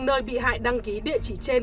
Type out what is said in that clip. nơi bị hại đăng ký địa chỉ trên